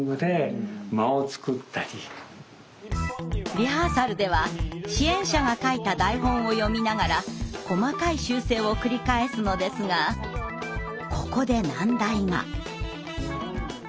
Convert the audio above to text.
リハーサルでは支援者が書いた台本を読みながら細かい修正を繰り返すのですがここで難題が。